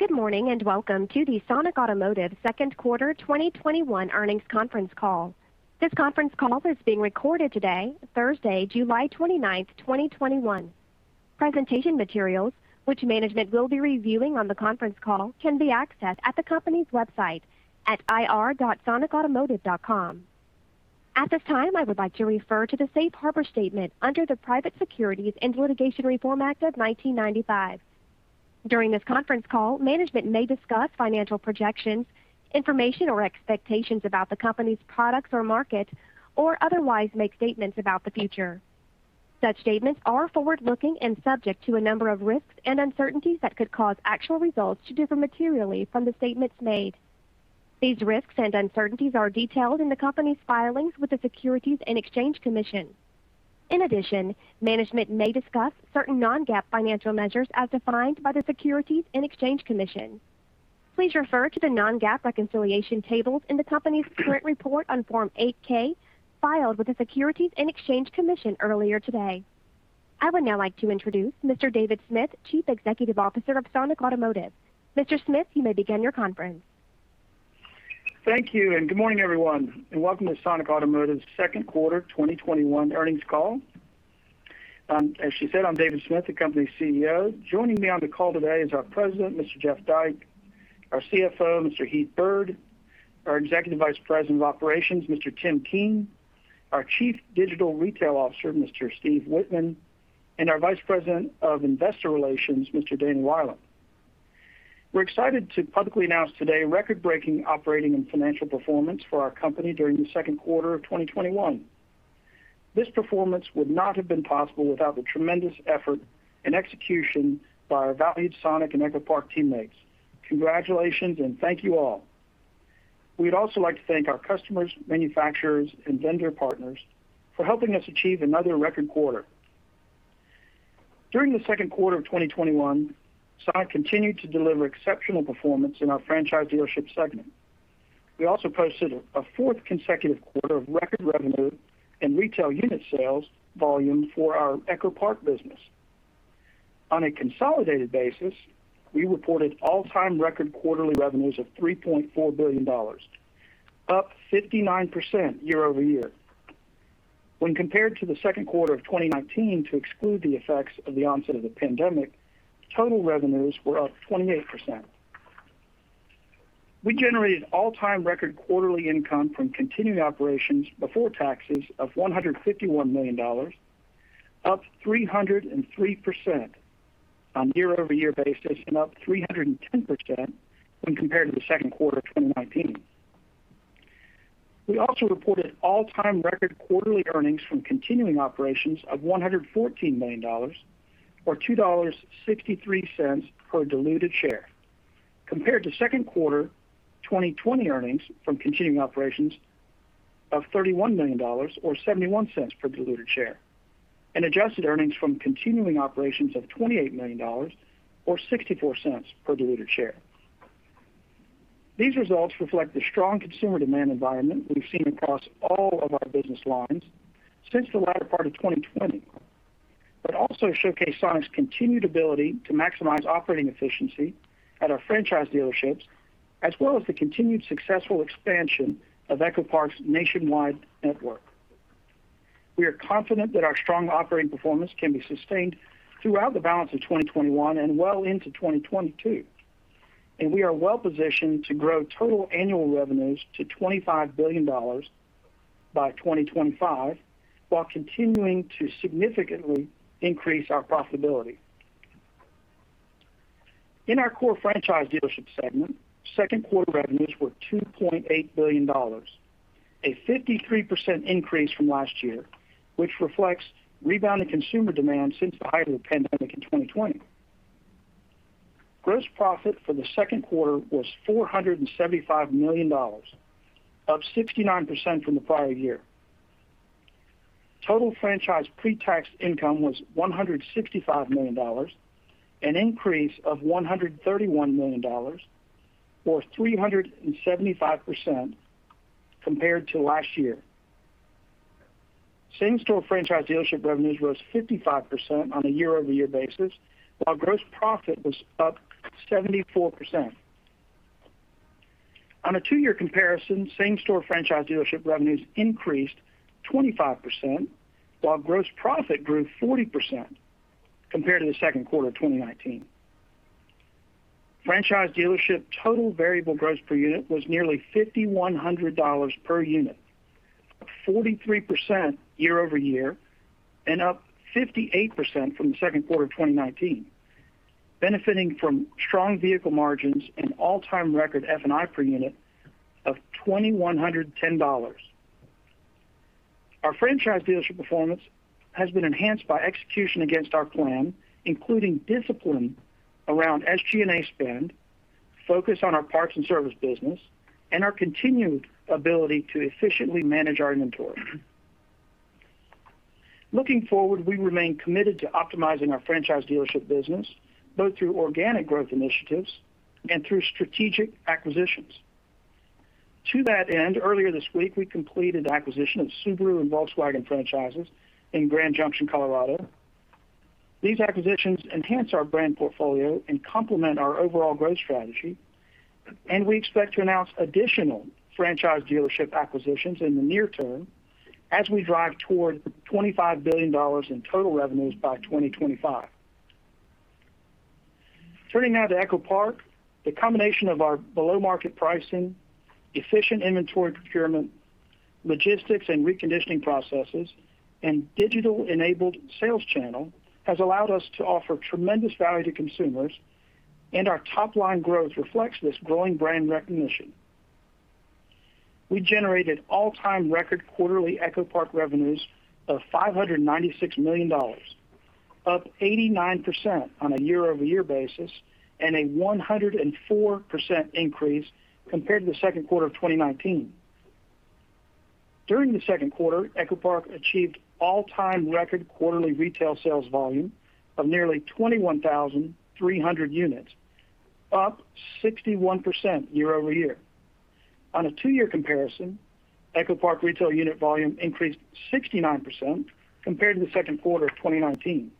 Good morning, and welcome to the Sonic Automotive Q2 2021 earnings conference call. This conference call is being recorded today, Thursday, July 29, 2021. Presentation materials, which management will be reviewing on the conference call, can be accessed at the company's website at ir.sonicautomotive.com. At this time, I would like to refer to the safe harbor statement under the Private Securities Litigation Reform Act of 1995. During this conference call, management may discuss financial projections, information or expectations about the company's products or market, or otherwise make statements about the future. Such statements are forward-looking and subject to a number of risks and uncertainties that could cause actual results to differ materially from the statements made. These risks and uncertainties are detailed in the company's filings with the Securities and Exchange Commission. In addition, management may discuss certain non-GAAP financial measures as defined by the Securities and Exchange Commission. Please refer to the non-GAAP reconciliation tables in the company's current report on Form 8-K filed with the Securities and Exchange Commission earlier today. I would now like to introduce Mr. David Smith, Chief Executive Officer of Sonic Automotive. Mr. Smith, you may begin your conference. Thank you. Good morning, everyone, and welcome to Sonic Automotive's Q2 2021 earnings call. As she said, I'm David Smith, the company's CEO. Joining me on the call today is our President, Mr. Jeff Dyke, our CFO, Mr. Heath Byrd, our Executive Vice President of Operations, Mr. Thomas Keen, our Chief Digital Retail Officer, Mr. Steve Wittman, and our Vice President of Investor Relations, Mr. Danny Wieland. We're excited to publicly announce today record-breaking operating and financial performance for our company during the Q2 of 2021. This performance would not have been possible without the tremendous effort and execution by our valued Sonic and EchoPark teammates. Congratulations and thank you all. We'd also like to thank our customers, manufacturers, and vendor partners for helping us achieve another record quarter. During the Q2 of 2021, Sonic continued to deliver exceptional performance in our franchise dealership segment. We also posted a 4th consecutive quarter of record revenue in retail unit sales volume for our EchoPark business. On a consolidated basis, we reported all-time record quarterly revenues of $3.4 billion, up 59% year-over-year. When compared to Q2 2019 to exclude the effects of the onset of the pandemic, total revenues were up 28%. We generated all-time record quarterly income from continuing operations before taxes of $151 million, up 303% on a year-over-year basis and up 310% when compared to Q2 2019. We also reported all-time record quarterly earnings from continuing operations of $114 million or $2.63 per diluted share compared to Q2 2020 earnings from continuing operations of $31 million or $0.71 per diluted share, and adjusted earnings from continuing operations of $28 million or $0.64 per diluted share. These results reflect the strong consumer demand environment we've seen across all of our business lines since the latter part of 2020, but also showcase Sonic's continued ability to maximize operating efficiency at our franchise dealerships as well as the continued successful expansion of EchoPark's nationwide network. We are confident that our strong operating performance can be sustained throughout the balance of 2021 and well into 2022, and we are well-positioned to grow total annual revenues to $25 billion by 2025 while continuing to significantly increase our profitability. In our core franchise dealership segment, second quarter revenues were $2.8 billion, a 53% increase from last year, which reflects rebound in consumer demand since the height of the pandemic in 2020. Gross profit for the Q2 was $475 million, up 69% from the prior year. Total franchise pre-tax income was $165 million, an increase of $131 million or 375% compared to last year. Same-store franchise dealership revenues rose 55% on a year-over-year basis, while gross profit was up 74%. On a 2-year comparison, same-store franchise dealership revenues increased 25%, while gross profit grew 40% compared to the Q2 of 2019. Franchise dealership total variable gross per unit was nearly $5,100 per unit, up 43% year-over-year and up 58% from the Q2 of 2019, benefiting from strong vehicle margins and all-time record F&I per unit of $2,110. Our franchise dealership performance has been enhanced by execution against our plan, including discipline around SG&A spend, focus on our parts and service business, and our continued ability to efficiently manage our inventory. Looking forward, we remain committed to optimizing our franchise dealership business, both through organic growth initiatives and through strategic acquisitions. To that end, earlier this week, we completed acquisition of Subaru and Volkswagen franchises in Grand Junction, Colorado. These acquisitions enhance our brand portfolio and complement our overall growth strategy, and we expect to announce additional franchise dealership acquisitions in the near term as we drive toward the $25 billion in total revenues by 2025. Turning now to EchoPark, the combination of our below-market pricing, efficient inventory procurement, logistics, and reconditioning processes, and digital-enabled sales channel has allowed us to offer tremendous value to consumers, and our top-line growth reflects this growing brand recognition. We generated all-time record quarterly EchoPark revenues of $596 million, up 89% on a year-over-year basis, and a 104% increase compared to the Q2 of 2019. During the Q2, EchoPark achieved all-time record quarterly retail sales volume of nearly 21,300 units, up 61% year-over-year. On a two-year comparison, EchoPark retail unit volume increased 69% compared to the Q2 of 2019.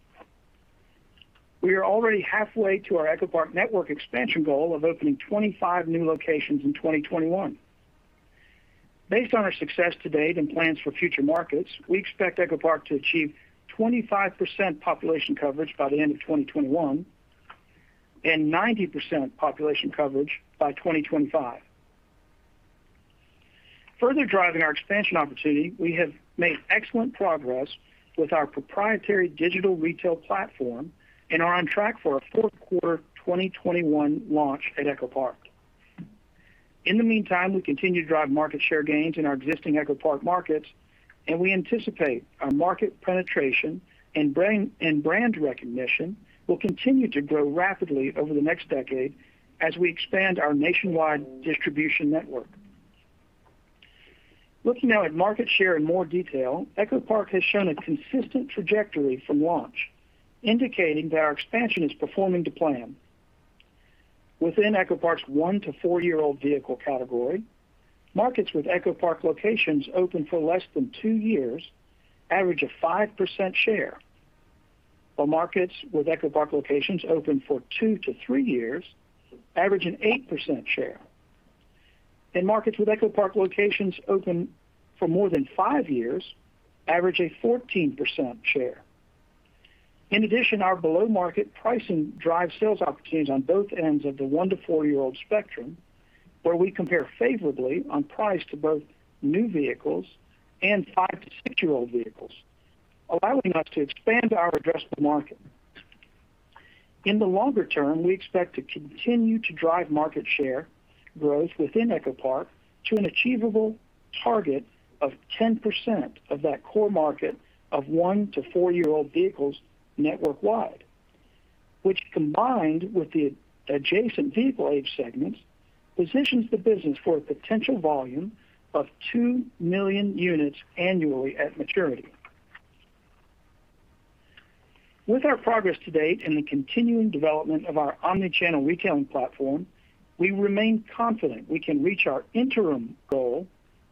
We are already halfway to our EchoPark network expansion goal of opening 25 new locations in 2021. Based on our success to date and plans for future markets, we expect EchoPark to achieve 25% population coverage by the end of 2021, and 90% population coverage by 2025. Further driving our expansion opportunity, we have made excellent progress with our proprietary digital retail platform and are on track for a Q4 2021 launch at EchoPark. In the meantime, we continue to drive market share gains in our existing EchoPark markets, and we anticipate our market penetration and brand recognition will continue to grow rapidly over the next decade as we expand our nationwide distribution network. Looking now at market share in more detail, EchoPark has shown a consistent trajectory from launch, indicating that our expansion is performing to plan. Within EchoPark's 1 to 4-year-old vehicle category, markets with EchoPark locations open for less than 2 years average a 5% share, while markets with EchoPark locations open for 2 to 3 years average an 8% share, and markets with EchoPark locations open for more than 5 years average a 14% share. In addition, our below-market pricing drives sales opportunities on both ends of the 1 to 4-year-old spectrum, where we compare favorably on price to both new vehicles and 5 to 6-year-old vehicles, allowing us to expand our addressable market. In the longer term, we expect to continue to drive market share growth within EchoPark to an achievable target of 10% of that core market of 1 to 4-year-old vehicles network-wide. Which, combined with the adjacent vehicle age segments, positions the business for a potential volume of 2 million units annually at maturity. With our progress to date and the continuing development of our omnichannel retailing platform, we remain confident we can reach our interim goal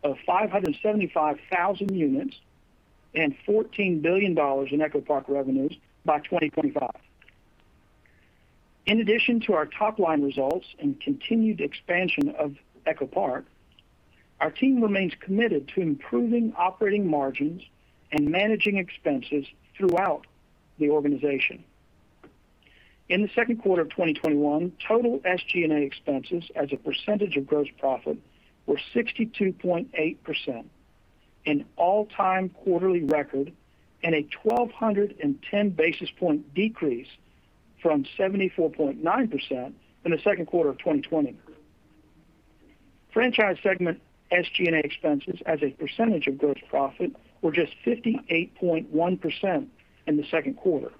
of 575,000 units and $14 billion in EchoPark revenues by 2025. In addition to our top-line results and continued expansion of EchoPark, our team remains committed to improving operating margins and managing expenses throughout the organization. In the Q2 of 2021, total SG&A expenses as a percentage of gross profit were 62.8%, an all-time quarterly record, and a 1,210 basis point decrease from 74.9% in the Q2 of 2020. Franchise segment SG&A expenses as a percentage of gross profit were just 58.1% in the Q2,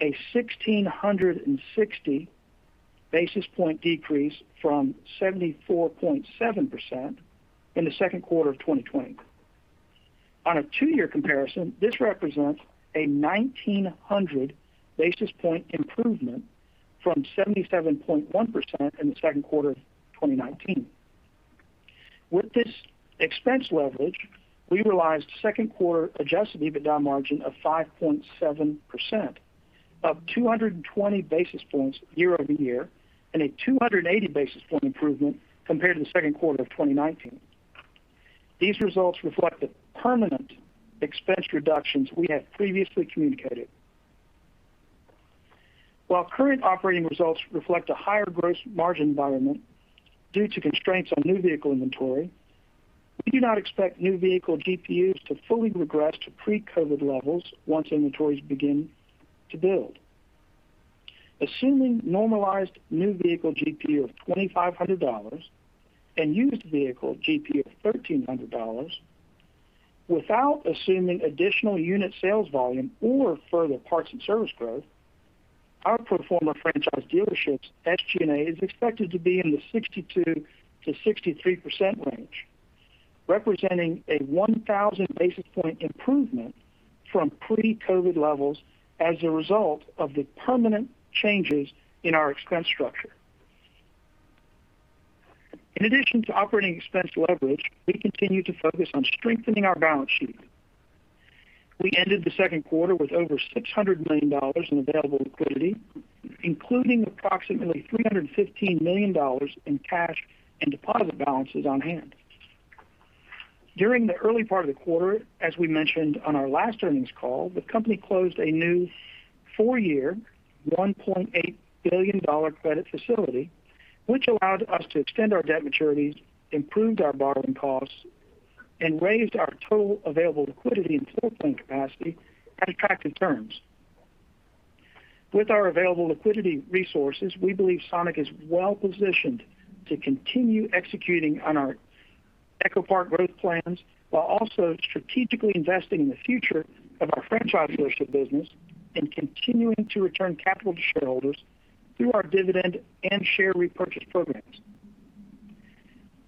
a 1,660 basis point decrease from 74.7% in the Q2 of 2020. On a two-year comparison, this represents a 1,900 basis point improvement from 77.1% in the Q2 of 2019. With this expense leverage, we realized second quarter adjusted EBITDA margin of 5.7%, up 220 basis points year-over-year, and a 280 basis point improvement compared to the Q2 of 2019. These results reflect the permanent expense reductions we had previously communicated. While current operating results reflect a higher gross margin environment due to constraints on new vehicle inventory, we do not expect new vehicle GPUs to fully regress to pre-COVID levels once inventories begin to build. Assuming normalized new vehicle GPU of $2,500 and used vehicle GPU of $1,300, without assuming additional unit sales volume or further parts and service growth, our pro forma franchise dealerships SG&A is expected to be in the 62%-63% range. Representing a 1,000 basis point improvement from pre-COVID levels as a result of the permanent changes in our expense structure. In addition to operating expense leverage, we continue to focus on strengthening our balance sheet. We ended the Q2 with over $600 million in available liquidity, including approximately $315 million in cash and deposit balances on hand. During the early part of the quarter, as we mentioned on our last earnings call, the company closed a new 4-year, $1.8 billion credit facility, which allowed us to extend our debt maturities, improved our borrowing costs, and raised our total available liquidity and footprint capacity at attractive terms. With our available liquidity resources, we believe Sonic is well positioned to continue executing on our EchoPark growth plans, while also strategically investing in the future of our franchise dealership business, and continuing to return capital to shareholders through our dividend and share repurchase programs.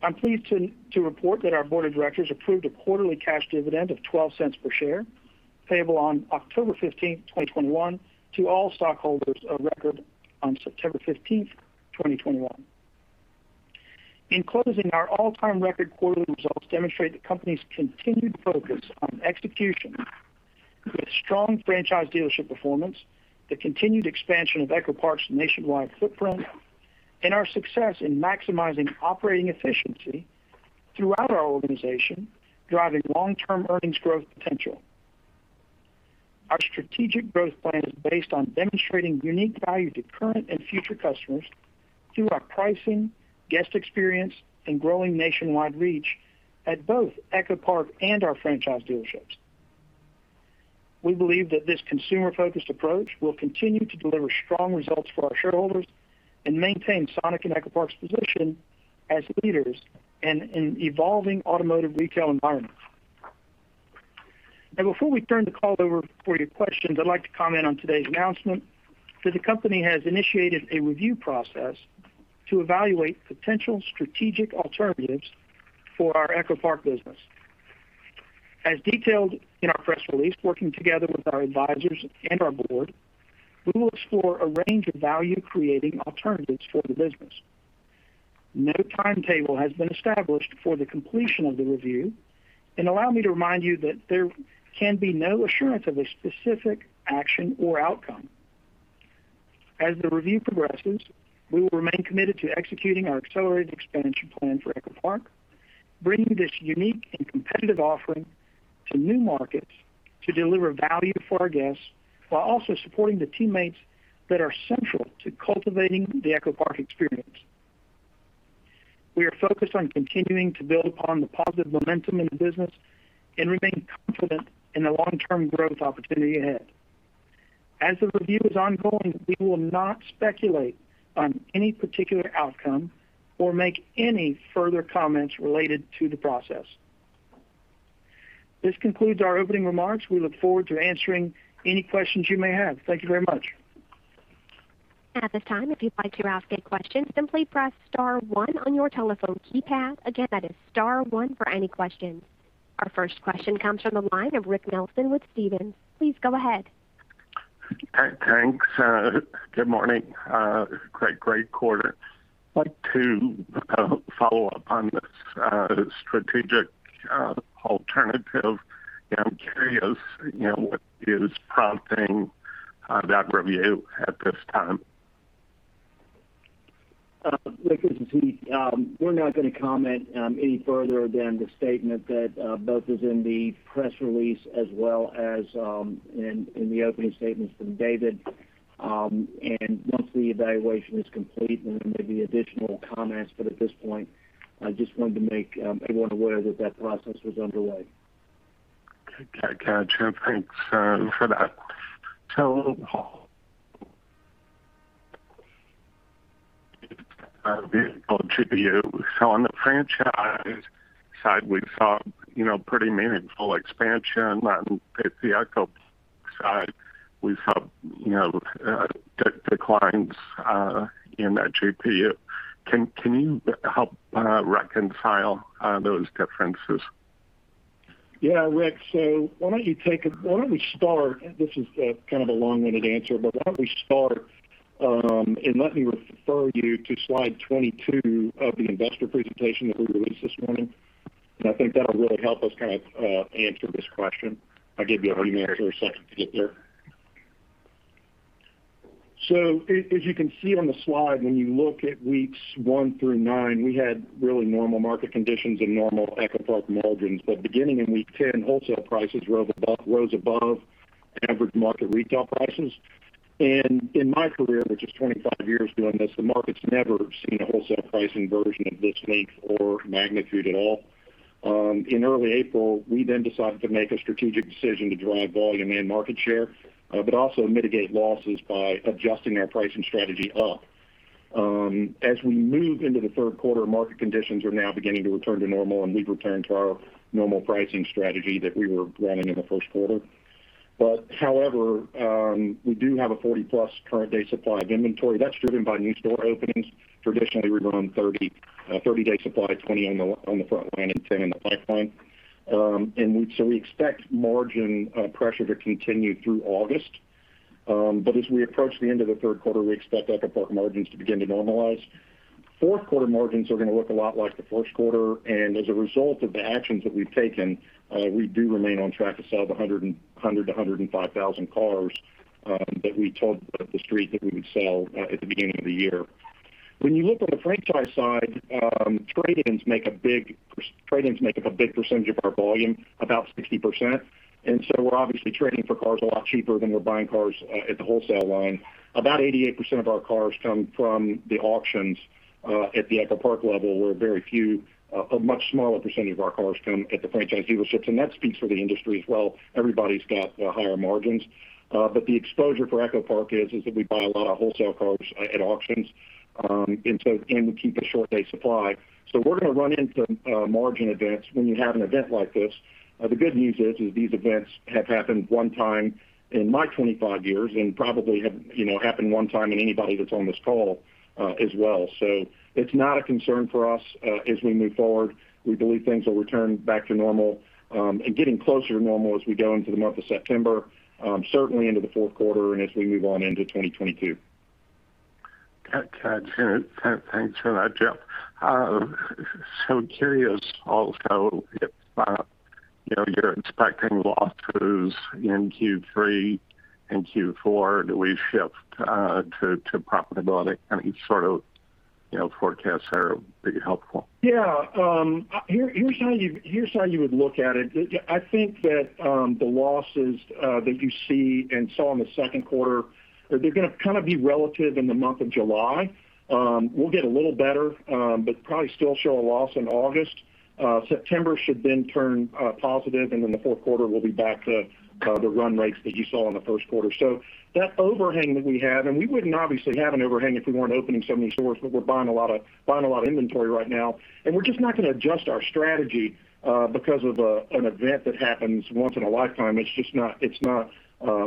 I'm pleased to report that our board of directors approved a quarterly cash dividend of $0.12 per share, payable on 15 October 2021, to all stockholders of record on 15 September 2021. In closing, our all-time record quarterly results demonstrate the company's continued focus on execution with strong franchise dealership performance, the continued expansion of EchoPark's nationwide footprint, and our success in maximizing operating efficiency throughout our organization, driving long-term earnings growth potential. Our strategic growth plan is based on demonstrating unique value to current and future customers through our pricing, guest experience, and growing nationwide reach at both EchoPark and our franchise dealerships. We believe that this consumer-focused approach will continue to deliver strong results for our shareholders and maintain Sonic and EchoPark's position as leaders in an evolving automotive retail environment. Now, before we turn the call over for your questions, I'd like to comment on today's announcement that the company has initiated a review process to evaluate potential strategic alternatives for our EchoPark business. As detailed in our press release, working together with our advisors and our board, we will explore a range of value-creating alternatives for the business. No timetable has been established for the completion of the review. Allow me to remind you that there can be no assurance of a specific action or outcome. As the review progresses, we will remain committed to executing our accelerated expansion plan for EchoPark, bringing this unique and competitive offering to new markets to deliver value for our guests, while also supporting the teammates that are central to cultivating the EchoPark experience. We are focused on continuing to build upon the positive momentum in the business and remain confident in the long-term growth opportunity ahead. As the review is ongoing, we will not speculate on any particular outcome or make any further comments related to the process. This concludes our opening remarks. We look forward to answering any questions you may have. Thank you very much. Our first question comes from the line of Rick Nelson with Stephens. Please go ahead. Thanks. Good morning. Great quarter. I'd like to follow up on this strategic alternative. I'm curious what is prompting that review at this time? Rick, this is Steve. We're not going to comment any further than the statement that both is in the press release as well as in the opening statements from David. Once the evaluation is complete, there may be additional comments. At this point, I just wanted to make everyone aware that that process was underway. Got you. Thanks for that. On the franchise side, we saw pretty meaningful expansion. On the EchoPark side, we saw declines in that GPU. Can you help reconcile those differences? Yeah, Rick. This is kind of a long-winded answer, but why don't we start, and let me refer you to slide 22 of the investor presentation that we released this morning. I think that'll really help us answer this question. I'll give you a minute or a second to get there. As you can see on the slide, when you look at weeks 1 through 9, we had really normal market conditions and normal EchoPark margins. Beginning in week 10, wholesale prices rose above average market retail prices. In my career, which is 25 years doing this, the market's never seen a wholesale pricing version of this length or magnitude at all. In early April, we then decided to make a strategic decision to drive volume and market share, but also mitigate losses by adjusting our pricing strategy up. As we move into the Q3, market conditions are now beginning to return to normal, and we've returned to our normal pricing strategy that we were running in the Q1. However, we do have a 40+ current day supply of inventory that's driven by new store openings. Traditionally, we run 30-day supply, 20 on the front line and 10 in the pipeline. We expect margin pressure to continue through August. As we approach the end of the third quarter, we expect EchoPark margins to begin to normalize. Q4 margins are going to look a lot like the Q1, and as a result of the actions that we've taken, we do remain on track to sell 100,000 to 105,000 cars that we told the Street that we would sell at the beginning of the year. When you look on the franchise side, trade-ins make up a big percentage of our volume, about 60%. We're obviously trading for cars a lot cheaper than we're buying cars at the wholesale line. About 88% of our cars come from the auctions, at the EchoPark level, where a much smaller percentage of our cars come at the franchise dealerships. That speaks for the industry as well. Everybody's got higher margins. The exposure for EchoPark is that we buy a lot of wholesale cars at auctions, and we keep a short day supply. We're going to run into margin events when you have an event like this. The good news is these events have happened one time in my 25 years and probably have happened one time in anybody that's on this call, as well. It's not a concern for us, as we move forward. We believe things will return back to normal, and getting closer to normal as we go into the month of September, certainly into the Q4 and as we move on into 2022. Gotcha. Thanks for that, Jeff. Curious also if you're expecting losses in Q3 and Q4. Do we shift to profitability? Any sort of forecasts are helpful. Yeah. Here's how you would look at it. I think that the losses that you see and saw in the Q2, they're going to kind of be relative in the month of July. We'll get a little better, but probably still show a loss in August. September should then turn positive, and then the Q4, we'll be back to the run rates that you saw in the Q1. That overhang that we had, and we wouldn't obviously have an overhang if we weren't opening so many stores, but we're buying a lot of inventory right now, and we're just not going to adjust our strategy because of an event that happens once in a lifetime.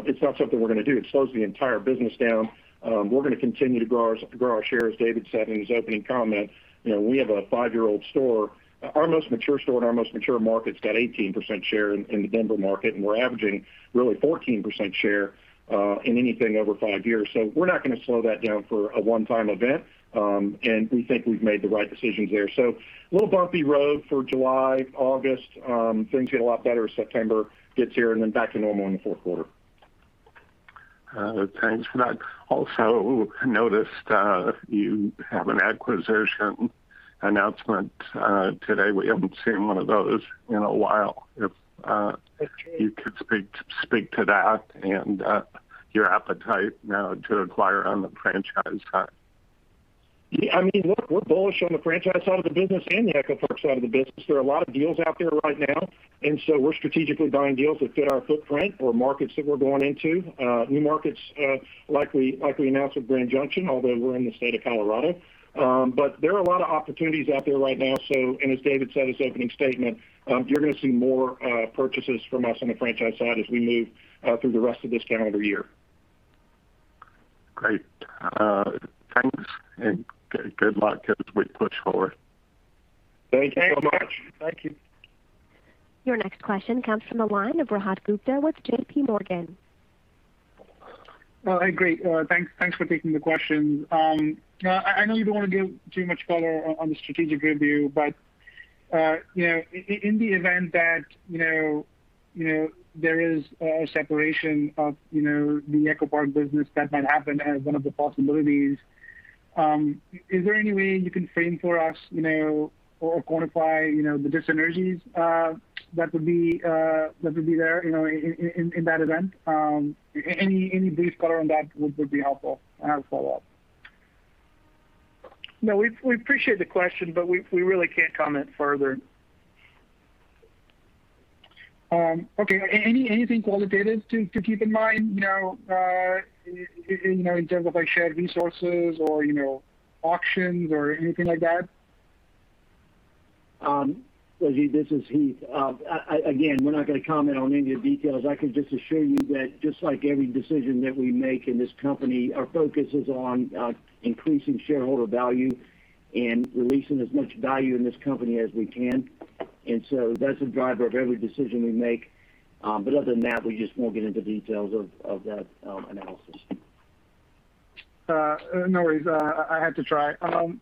It's not something we're going to do. It slows the entire business down. We're going to continue to grow our shares, David said in his opening comment. We have a 5-year-old store. Our most mature store in our most mature market's got 18% share in the Denver market, and we're averaging really 14% share, in anything over 5 years. We're not going to slow that down for a one-time event. We think we've made the right decisions there. A little bumpy road for July, August. Things get a lot better as September gets here, and then back to normal in the Q4. Thanks for that. Also noticed, you have an acquisition announcement, today. That's true. You could speak to that and your appetite now to acquire on the franchise side? Look, we're bullish on the franchise side of the business and the EchoPark side of the business. There are a lot of deals out there right now. We're strategically buying deals that fit our footprint or markets that we're going into. New markets, like we announced with Grand Junction, although we're in the state of Colorado. There are a lot of opportunities out there right now, and as David said his opening statement, you're going to see more purchases from us on the franchise side as we move through the rest of this calendar year. Great. Thanks. Good luck as we push forward. Thank you. Thanks so much. Thank you. Your next question comes from the line of Rajiv Gupta with JPMorgan. Great. Thanks for taking the question. I know you don't want to give too much color on the strategic review, but, in the event that there is a separation of the EchoPark business that might happen as one of the possibilities, is there any way you can frame for us or quantify the dissynergies that would be there in that event? Any brief color on that would be helpful. I'll follow up. We appreciate the question, but we really can't comment further. Okay. Anything qualitative to keep in mind, in terms of shared resources or auctions or anything like that? Rajiv, this is Heath. Again, we're not going to comment on any of the details. I can just assure you that just like every decision that we make in this company, our focus is on increasing shareholder value and releasing as much value in this company as we can. That's the driver of every decision we make. Other than that, we just won't get into details of that analysis. No worries. I had to try. On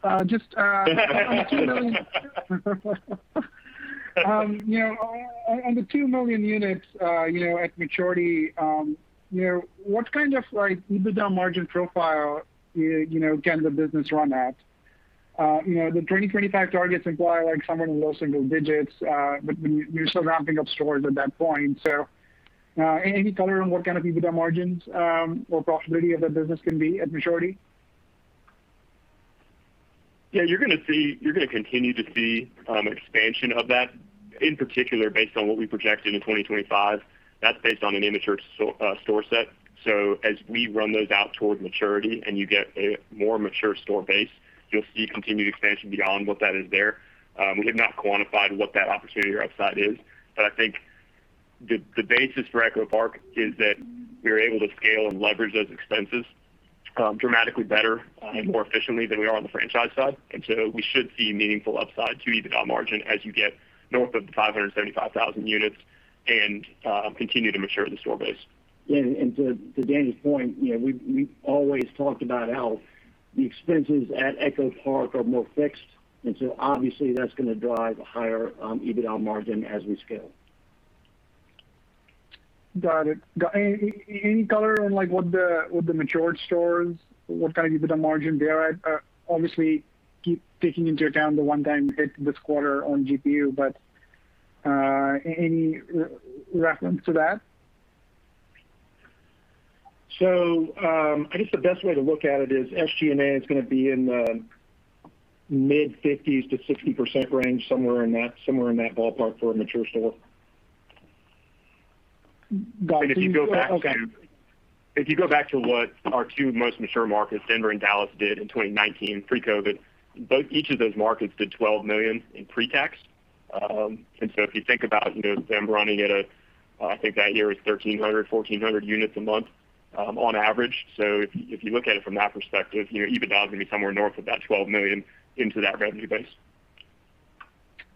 the 2 million units at maturity, what kind of EBITDA margin profile can the business run at? The 2025 targets imply like somewhere in the low single digits, but you're still ramping up stores at that point. Any color on what kind of EBITDA margins, or profitability of that business can be at maturity? Yeah, you're going to continue to see expansion of that in particular based on what we projected in 2025. That's based on an immature store set. As we run those out towards maturity and you get a more mature store base, you'll see continued expansion beyond what that is there. We have not quantified what that opportunity or upside is, I think. The basis for EchoPark is that we are able to scale and leverage those expenses dramatically better and more efficiently than we are on the franchise side. We should see meaningful upside to EBITDA margin as you get north of the 575,000 units and continue to mature the store base. To Danny's point, we always talked about how the expenses at EchoPark are more fixed, and so obviously that's going to drive a higher EBITDA margin as we scale. Got it. Any color on what the matured stores, what kind of EBITDA margin they're at? Obviously, keep taking into account the one-time hit this quarter on GPU, but any reference to that? I guess the best way to look at it is SG&A is going to be in the mid-50% to 60% range, somewhere in that ballpark for a mature store. Got it. Okay. If you go back to what our 2 most mature markets, Denver and Dallas, did in 2019 pre-COVID, each of those markets did $12 million in pre-tax. If you think about them running at a, I think that year was 1,300, 1,400 units a month on average. If you look at it from that perspective, EBITDA is going to be somewhere north of that $12 million into that revenue base.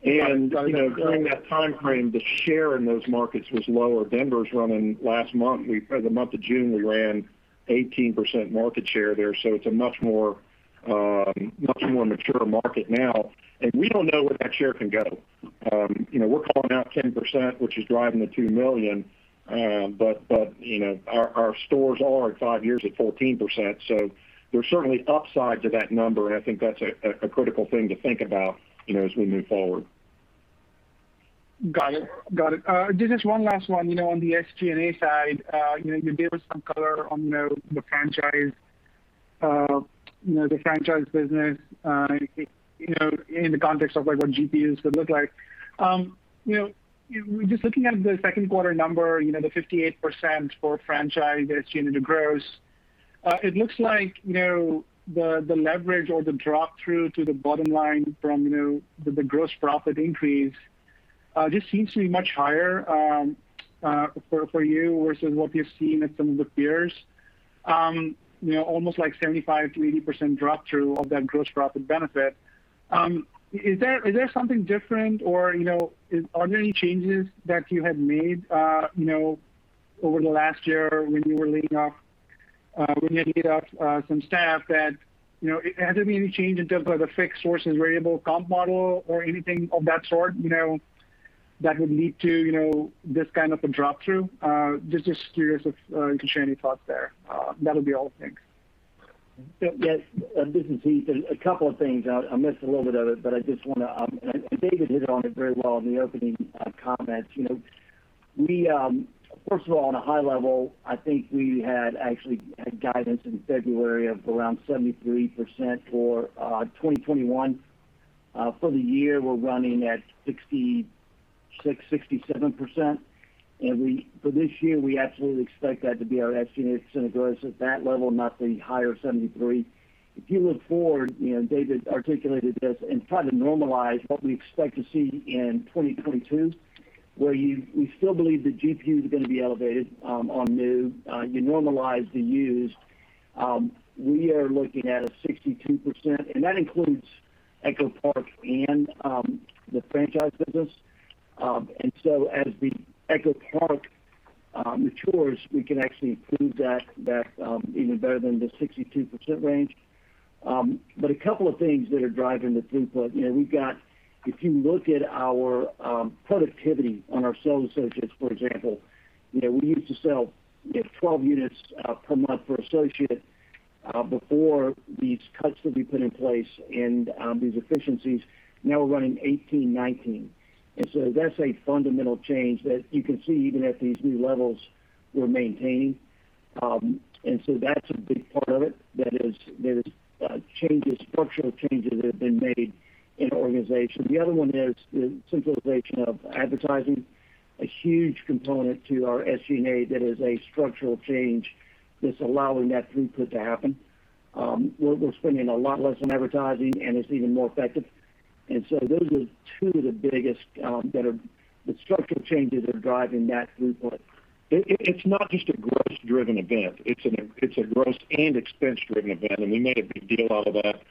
During that timeframe, the share in those markets was lower. Denver's running last month, the month of June, we ran 18% market share there, so it's a much more mature market now. We don't know where that share can go. We're calling out 10%, which is driving the $2 million. Our stores are, at 5 years, at 14%, so there's certainly upside to that number, and I think that's a critical thing to think about as we move forward. Got it. Just this one last one. On the SG&A side you gave us some color on the franchise business in the context of what GPUs would look like. Just looking at the Q2 number, the 58% for franchise that's chained into gross. It looks like the leverage or the drop-through to the bottom line from the gross profit increase just seems to be much higher for you versus what we've seen at some of the peers. Almost like 75%-80% drop-through of that gross profit benefit. Is there something different or are there any changes that you had made over the last year when you were laying off some staff that, has there been any change in terms of the fixed versus variable comp model or anything of that sort that would lead to this kind of a drop-through? Just curious if you can share any thoughts there. That'll be all. Thanks. Yes. This is Heath. A couple of things. I missed a little bit of it, but I just want to And David hit on it very well in the opening comments. First of all, on a high level, I think we had actually had guidance in February of around 73% for 2021. For the year, we're running at 66%, 67%. For this year, we absolutely expect that to be our SG&A percentage gross at that level, not the higher 73%. If you look forward, David articulated this, and try to normalize what we expect to see in 2022, where we still believe the GPU is going to be elevated on new. You normalize the used, we are looking at a 62%, and that includes EchoPark and the franchise business. As the EchoPark matures, we can actually improve that even better than the 62% range. A couple of things that are driving the throughput. If you look at our productivity on our sales associates, for example, we used to sell 12 units per month per associate before these cuts would be put in place and these efficiencies. Now we're running 18, 19. That's a fundamental change that you can see even at these new levels we're maintaining. That's a big part of it, that is structural changes that have been made in the organization. The other one is the centralization of advertising, a huge component to our SG&A that is a structural change that's allowing that throughput to happen. We're spending a lot less on advertising, and it's even more effective. Those are two of the biggest structural changes that are driving that throughput. It's not just a gross driven event. It's a gross and expense driven event, and we made a big deal out of that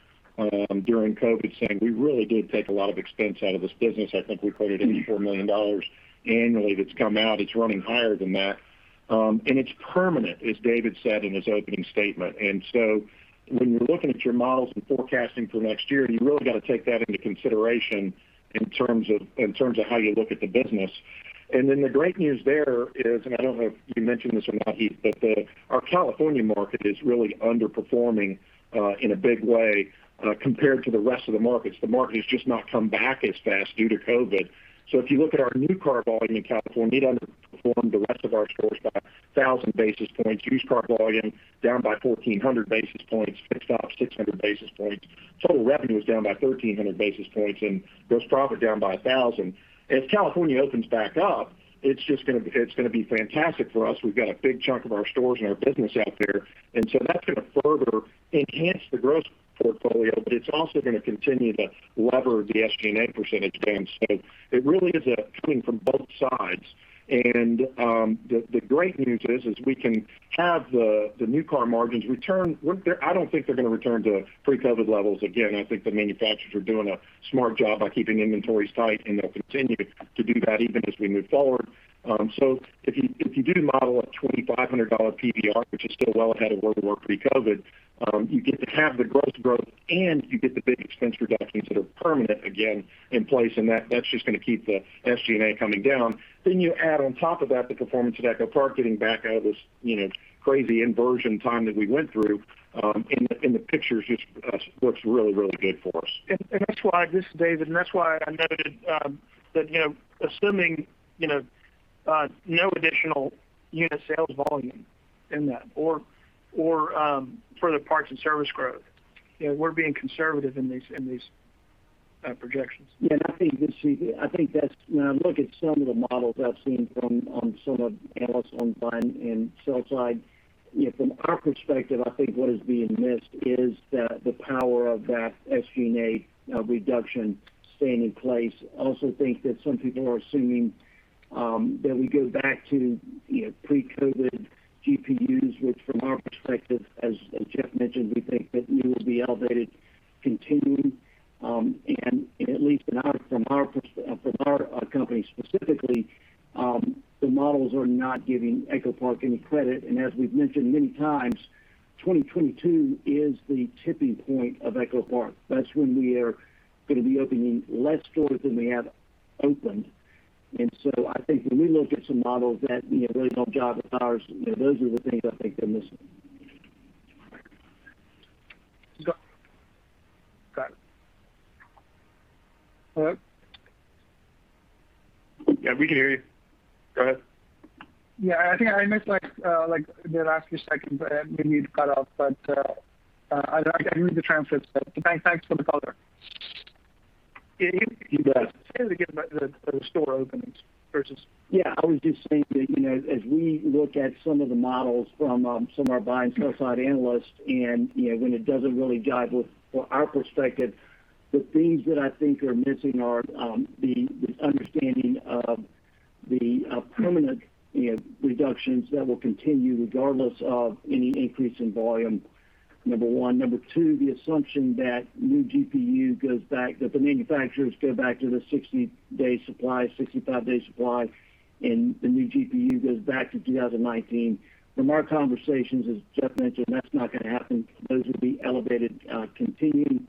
during COVID, saying we really did take a lot of expense out of this business. I think we quoted $84 million annually that's come out. It's running higher than that. It's permanent, as David said in his opening statement. When you're looking at your models and forecasting for next year, you really got to take that into consideration in terms of how you look at the business. The great news there is, and I don't know if you mentioned this or not, Heath, but our California market is really underperforming in a big way compared to the rest of the markets. The market has just not come back as fast due to COVID. If you look at our new car volume in California, it underperformed the rest of our stores by 1,000 basis points. Used car volume down by 1,400 basis points, fixed ops 600 basis points. Total revenue is down by 1,300 basis points and gross profit down by 1,000. As California opens back up, it's going to be fantastic for us. We've got a big chunk of our stores and our business out there, that's going to further enhance the gross portfolio, but it's also going to continue to lever the SG&A percentage gain. It really is coming from both sides. The great news is we can have the new car margins return. I don't think they're going to return to pre-COVID levels again. I think the manufacturers are doing a smart job by keeping inventories tight, and they'll continue to do that even as we move forward. If you do model a $2,500 PVR, which is still well ahead of where we were pre-COVID, you get to have the gross growth and you get the big expense reductions that are permanent, again, in place. That's just going to keep the SG&A coming down. You add on top of that the performance of EchoPark getting back out of this crazy inversion time that we went through, and the picture just looks really, really good for us. That's why, this is David, and that's why I noted that assuming no additional unit sales volume in that or further parts and service growth, we're being conservative in these projections. I think that when I look at some of the models I've seen from some of the analysts on buy and sell side, from our perspective, I think what is being missed is the power of that SG&A reduction staying in place. I also think that some people are assuming that we go back to pre-COVID GPUs, which from our perspective, as Jeff mentioned, we think that new will be elevated continuing. At least from our company specifically, the models are not giving EchoPark any credit. As we've mentioned many times, 2022 is the tipping point of EchoPark. That's when we are going to be opening less stores than we have opened. I think when we look at some models that really don't jive with ours, those are the things I think they're missing. David Smith. Hello? Yeah, we can hear you. Go ahead. Yeah, I think I missed the last few seconds. I maybe got off, but I can read the transcripts. Thanks for the color. Yeah. You bet. Say that again about the store openings versus- Yeah, I was just saying that as we look at some of the models from some of our buy and sell side analysts, when it doesn't really jive with our perspective, the things that I think are missing are the understanding of the permanent reductions that will continue regardless of any increase in volume, number one. Number two, the assumption that new GPU goes back, that the manufacturers go back to the 60-day supply, 65-day supply, and the new GPU goes back to 2019. From our conversations, as Jeff mentioned, that's not going to happen. Those will be elevated continuing.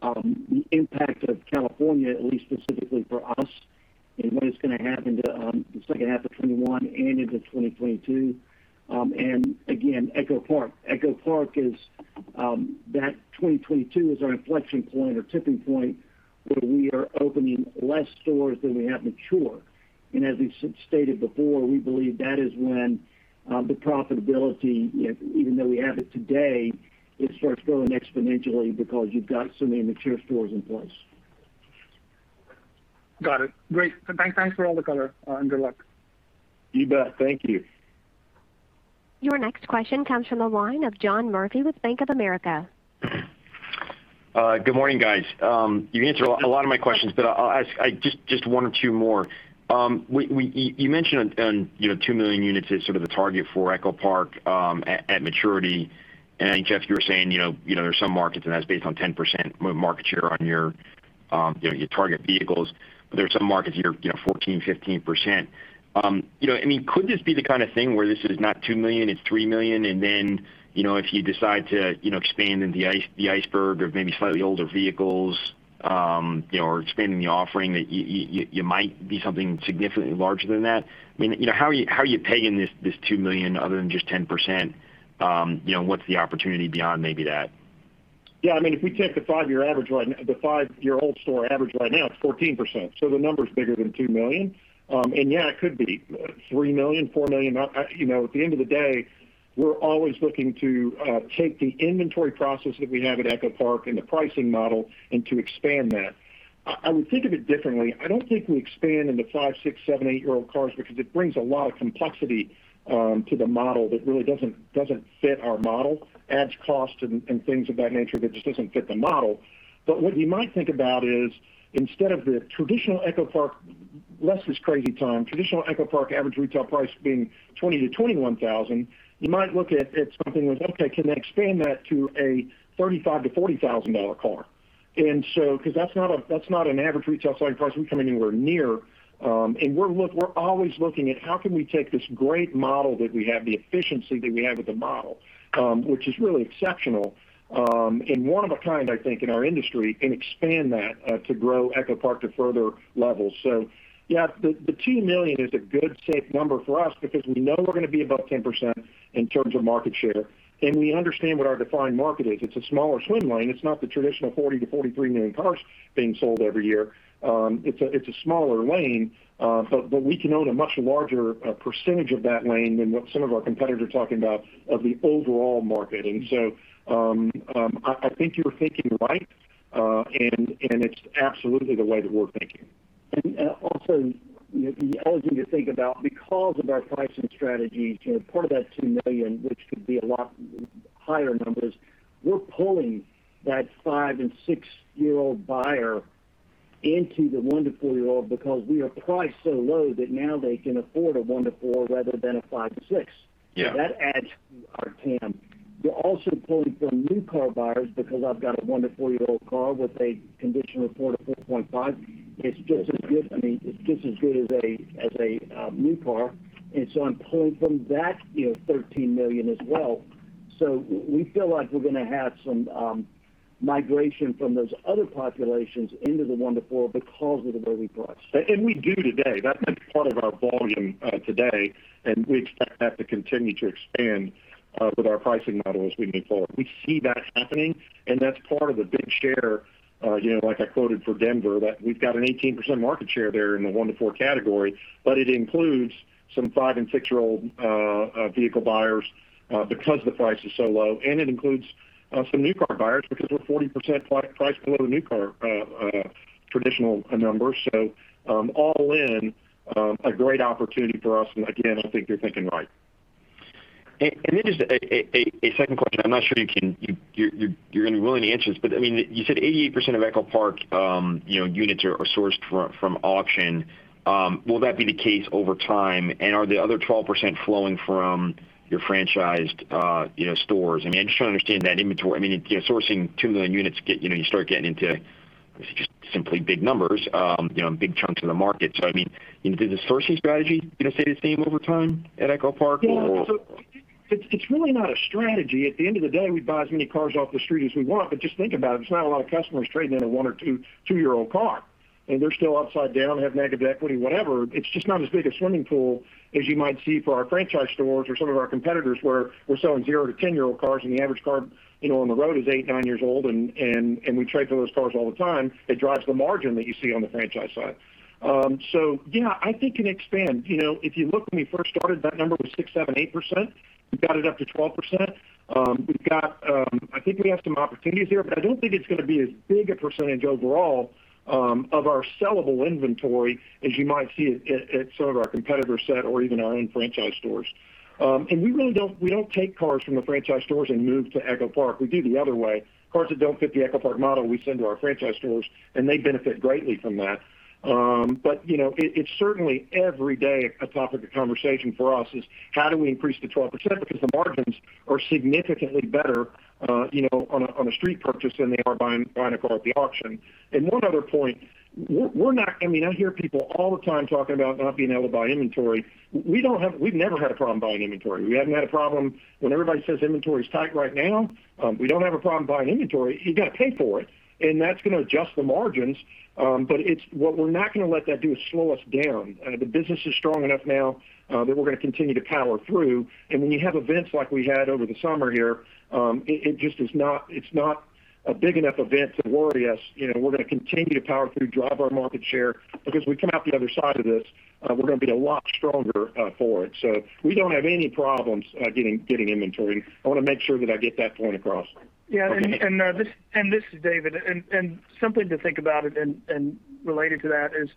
The impact of California, at least specifically for us, and what is going to happen to the H2 of 2021 and into 2022. Again, EchoPark. EchoPark is that 2022 is our inflection point or tipping point where we are opening less stores than we have mature. As we've stated before, we believe that is when the profitability, even though we have it today, it starts growing exponentially because you've got so many mature stores in place. Got it. Great. Thanks for all the color and good luck. You bet. Thank you. Your next question comes from the line of John Murphy with Bank of America. Good morning, guys. You answered a lot of my questions, but I'll ask just one or two more. You mentioned on 2 million units is sort of the target for EchoPark at maturity, and I think, Jeff, you were saying there's some markets and that's based on 10% market share on your target vehicles. There are some markets you're 14%-15%. Could this be the kind of thing where this is not 2 million, it's 3 million, and then if you decide to expand in the iceberg of maybe slightly older vehicles or expanding the offering, that you might be something significantly larger than that? How are you pegging this 2 million other than just 10%? What's the opportunity beyond maybe that? If we take the 5-year-old store average right now, it's 14%. The number's bigger than $2 million. It could be $3 million, $4 million. At the end of the day, we're always looking to take the inventory process that we have at EchoPark and the pricing model and to expand that. I would think of it differently. I don't think we expand into 5, 6, 7, 8-year-old cars because it brings a lot of complexity to the model that really doesn't fit our model. Adds cost and things of that nature that just doesn't fit the model. What you might think about is instead of the traditional EchoPark, less this crazy time, traditional EchoPark average retail price being $20,000 to $21,000, you might look at something with, okay, can they expand that to a $35,000 to $40,000 car? Because that's not an average retail selling price we come anywhere near. We're always looking at how can we take this great model that we have, the efficiency that we have with the model, which is really exceptional, and one of a kind, I think, in our industry, and expand that to grow EchoPark to further levels. Yeah, the 2 million is a good, safe number for us because we know we're going to be above 10% in terms of market share, and we understand what our defined market is. It's a smaller swim lane. It's not the traditional 40 million to 43 million cars being sold every year. It's a smaller lane. We can own a much larger percentage of that lane than what some of our competitors are talking about of the overall market. I think you're thinking right, and it's absolutely the way that we're thinking. The other thing to think about, because of our pricing strategy, part of that 2 million, which could be a lot higher numbers, we're pulling that 5 and 6-year-old buyer into the 1 to 4-year-old because we are priced so low that now they can afford a 1 to 4 rather than a 5 to 6. Yeah. That Park TAM. You're also pulling from new car buyers, because I've got a 1-to-4-year-old car with a condition of 4 to 4.5, it's just as good as a new car. I'm pulling from that 13 million as well. We feel like we're going to have some migration from those other populations into the 1 to 4 because of the low price. We do today. That's part of our volume today, and we expect that to continue to expand with our pricing model as we move forward. We see that happening, and that's part of the big share, like I quoted for Denver, that we've got an 18% market share there in the 1 to 4 category, but it includes some 5 and 6-year-old vehicle buyers because the price is so low, and it includes some new car buyers because we're 40% price below the new car traditional numbers. All in, a great opportunity for us. Again, I think you're thinking right. Just a second question. I'm not sure you're going to be willing to answer this, but you said 88% of EchoPark units are sourced from auction. Will that be the case over time? Are the other 12% flowing from your franchised stores? I'm just trying to understand that inventory. Sourcing 2 million units, you start getting into just simply big numbers, big chunks of the market. Is the sourcing strategy going to stay the same over time at EchoPark? Yeah. It's really not a strategy. At the end of the day, we buy as many cars off the street as we want. Just think about it, there's not a lot of customers trading in a 1 or 2-year-old car, and they're still upside down, have negative equity, whatever. It's just not as big a swimming pool as you might see for our franchise stores or some of our competitors where we're selling 0 to 10-year-old cars, and the average car on the road is 8, 9 years old, and we trade those cars all the time. It drives the margin that you see on the franchise side. Yeah, I think it can expand. If you look when we first started, that number was 6, 7, 8%. We've got it up to 12%. I think we have some opportunities here, but I don't think it's going to be as big a percentage overall of our sellable inventory as you might see at some of our competitor set or even our own franchise stores. We don't take cars from the franchise stores and move to EchoPark. We do the other way. Cars that don't fit the EchoPark model, we send to our franchise stores, and they benefit greatly from that. It's certainly every day a topic of conversation for us is how do we increase to 12%, because the margins are significantly better on a street purchase than they are buying a car at the auction. One other point, I hear people all the time talking about not being able to buy inventory. We've never had a problem buying inventory. We haven't had a problem. When everybody says inventory is tight right now, we don't have a problem buying inventory. You got to pay for it, and that's going to adjust the margins. What we're not going to let that do is slow us down. The business is strong enough now that we're going to continue to power through. When you have events like we had over the summer here, it's not a big enough event to worry us. We're going to continue to power through, drive our market share, because we come out the other side of this, we're going to be a lot stronger for it. We don't have any problems getting inventory. I want to make sure that I get that point across. Yeah. Okay. This is David. Something to think about it and related to that is,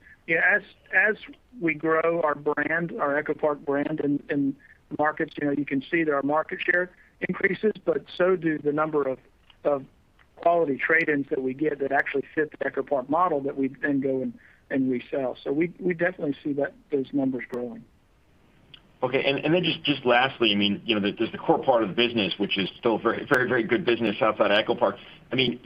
as we grow our brand, our EchoPark brand in markets, you can see that our market share increases, but so do the number of quality trade-ins that we get that actually fit the EchoPark model that we then go and resell. We definitely see those numbers growing. Okay. Just lastly, there's the core part of the business, which is still very good business outside EchoPark. Do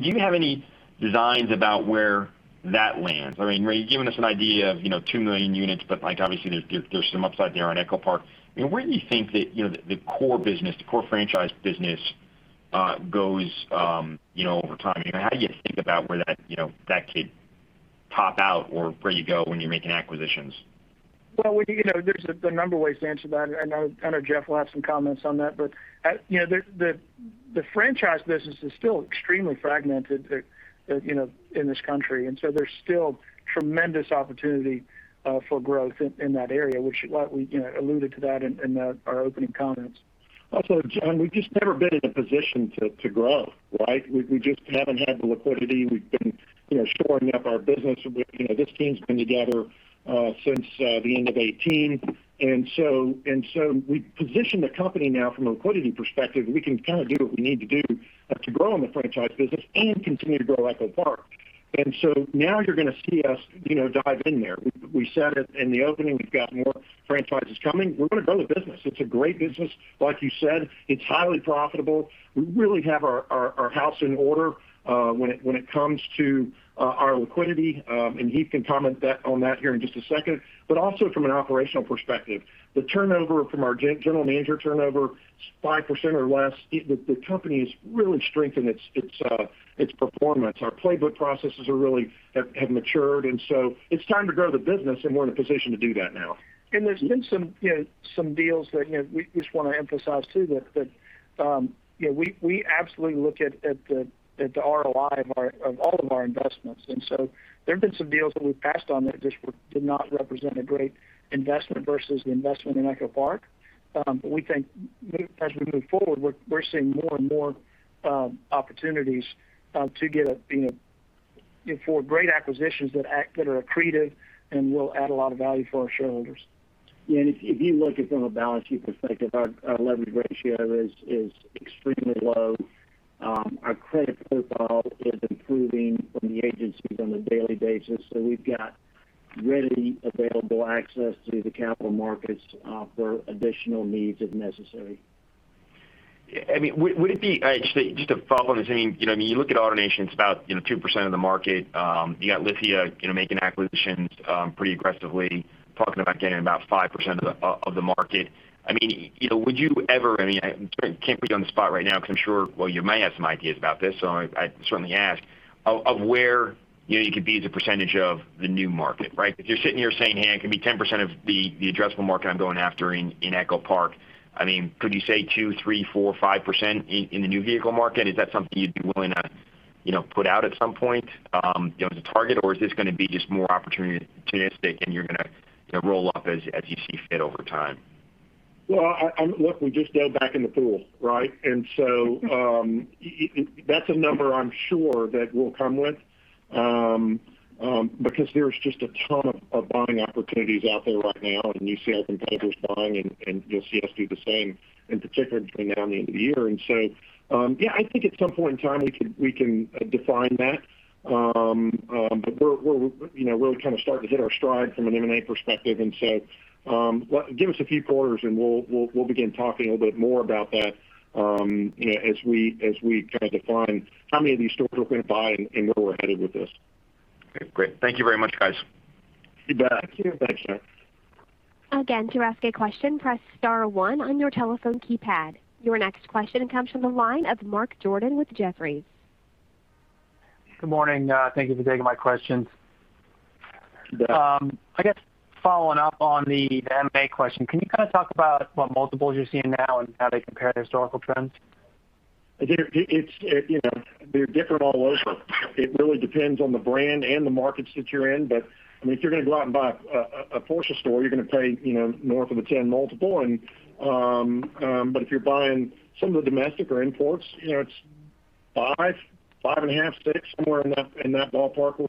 you have any designs about where that lands? You've given us an idea of 2 million units, Obviously, there's some upside there on EchoPark. Where do you think that the core business, the core franchise business goes over time? How do you think about where that could top out or where you go when you're making acquisitions? Well, there's a number of ways to answer that, and I know Jeff will have some comments on that. The franchise business is still extremely fragmented in this country. There's still tremendous opportunity for growth in that area, which we alluded to that in our opening comments. John, we've just never been in a position to grow, right? We just haven't had the liquidity. We've been shoring up our business. This team's been together since the end of 2018, we've positioned the company now from a liquidity perspective, we can kind of do what we need to do to grow in the franchise business and continue to grow EchoPark. Now you're going to see us dive in there. We said it in the opening. We've got more franchises coming. We're going to grow the business. It's a great business. Like you said, it's highly profitable. We really have our house in order when it comes to our liquidity, and Heath can comment on that here in just a second. From an operational perspective, the turnover from our general manager turnover is 5% or less. The company has really strengthened its performance. Our playbook processes have matured. It's time to grow the business. We're in a position to do that now. There's been some deals that we just want to emphasize, too, that we absolutely look at the ROI of all of our investments. So there have been some deals that we've passed on that just did not represent a great investment versus the investment in EchoPark. We think as we move forward, we're seeing more and more opportunities for great acquisitions that are accretive and will add a lot of value for our shareholders. If you look at from a balance sheet perspective, our leverage ratio is extremely low. Our credit profile is improving from the agencies on a daily basis. We've got readily available access to the capital markets for additional needs if necessary. Actually, just a follow on to Zane. You look at AutoNation, it's about 2% of the market. You got Lithia making acquisitions pretty aggressively, talking about getting about 5% of the market. Would you ever, I can't put you on the spot right now because I'm sure, well, you may have some ideas about this, so I'd certainly ask, of where you could be as a percentage of the new market, right? If you're sitting here saying, "Hey, I can be 10% of the addressable market I'm going after in EchoPark." Could you say 2, 3, 4, 5% in the new vehicle market? Is that something you'd be willing to put out at some point as a target? Is this going to be just more opportunistic and you're going to roll up as you see fit over time? Well, look, we just dove back in the pool, right? That's a number I'm sure that we'll come with, because there's just a ton of buying opportunities out there right now, and you see our competitors buying, and you'll see us do the same, in particular between now and the end of the year. Yeah, I think at some point in time we can define that. We're really kind of starting to hit our stride from an M&A perspective and so give us a few quarters and we'll begin talking a little bit more about that as we kind of define how many of these stores we're going to buy and where we're headed with this. Okay, great. Thank you very much, guys. You bet. Thank you. Your next question comes from the line of Mark Jordan with Jefferies. Good morning. Thank you for taking my questions. You bet. I guess following up on the M&A question, can you kind of talk about what multiples you're seeing now and how they compare to historical trends? They're different all over. It really depends on the brand and the markets that you're in. If you're going to go out and buy a Porsche store, you're going to pay north of a 10 multiple. If you're buying some of the domestic or imports, it's 5.5, 6, somewhere in that ballpark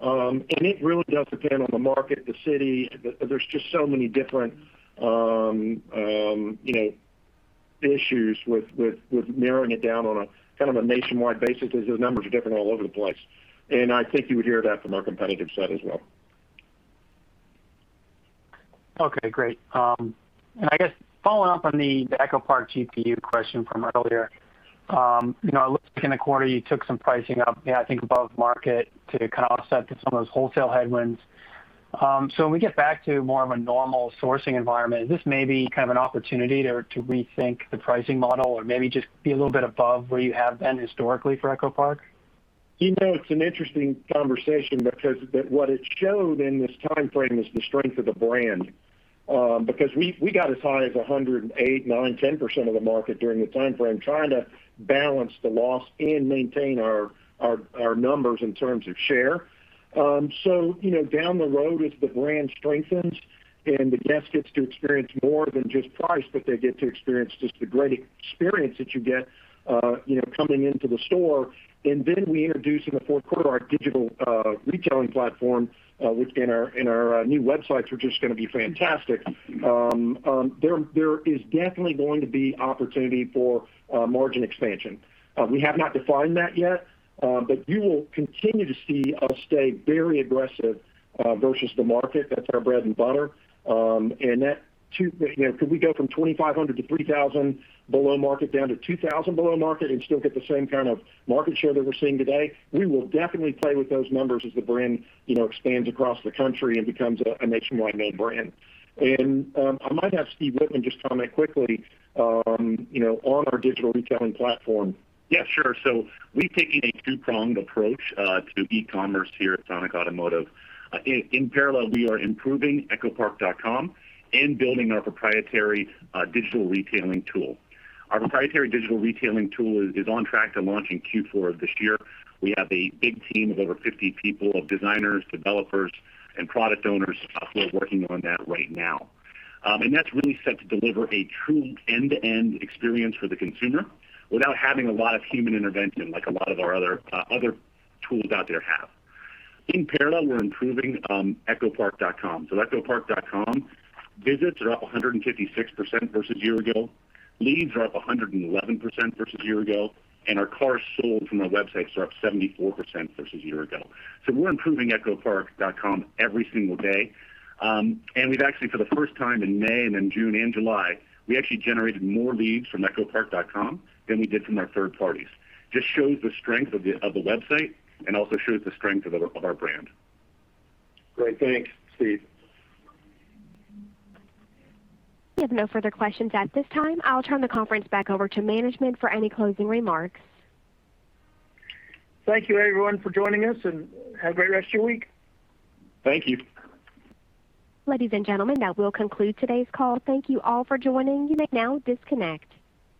we're seeing. It really does depend on the market, the city. There's just so many different issues with narrowing it down on a kind of a nationwide basis as those numbers are different all over the place. I think you would hear that from our competitive set as well. Okay, great. I guess following up on the EchoPark GPU question from earlier. It looks like in the quarter you took some pricing up, I think above market to kind of offset some of those wholesale headwinds. When we get back to more of a normal sourcing environment, is this may be kind of an opportunity to rethink the pricing model or maybe just be a little bit above where you have been historically for EchoPark? It's an interesting conversation because what it showed in this timeframe is the strength of the brand. We got as high as 108%, 9%, 10% of the market during the timeframe trying to balance the loss and maintain our numbers in terms of share. Down the road, as the brand strengthens and the guest gets to experience more than just price, but they get to experience just the great experience that you get coming into the store. Then we introduce in the fourth quarter our digital retailing platform, and our new websites, which is going to be fantastic. There is definitely going to be opportunity for margin expansion. We have not defined that yet, but you will continue to see us stay very aggressive versus the market. That's our bread and butter. Could we go from 2,500 to 3,000 below market down to 2,000 below market and still get the same kind of market share that we're seeing today? We will definitely play with those numbers as the brand expands across the country and becomes a nationwide name brand. I might have Steve Wittman just comment quickly on our digital retailing platform. Yeah, sure. We're taking a two-pronged approach to e-commerce here at Sonic Automotive. In parallel, we are improving echopark.com and building our proprietary digital retailing tool. Our proprietary digital retailing tool is on track to launch in Q4 of this year. We have a big team of over 50 people of designers, developers, and product owners who are working on that right now. That's really set to deliver a true end-to-end experience for the consumer without having a lot of human intervention like a lot of our other tools out there have. In parallel, we're improving echopark.com. echopark.com visits are up 156% versus year ago. Leads are up 111% versus year ago, and our cars sold from our websites are up 74% versus year ago. We're improving echopark.com every single day. We've actually, for the first time in May and then June and July, we actually generated more leads from echopark.com than we did from our third parties. Just shows the strength of the website and also shows the strength of our brand. Great. Thanks, Steve. We have no further questions at this time. I will turn the conference back over to management for any closing remarks. Thank you everyone for joining us, and have a great rest of your week. Thank you. Ladies and gentlemen, that will conclude today's call. Thank you all for joining. You may now disconnect.